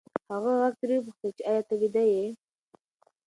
هغه غږ ترې وپوښتل چې ایا ته ویده یې؟